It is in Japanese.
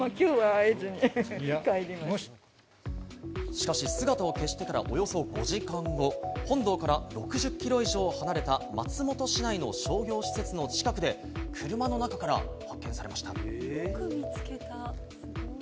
しかし姿を消してからおよそ５時間後、本堂から６０キロ以上離れた、松本市内の商業施設の近くで車のよく見つけた、すごい。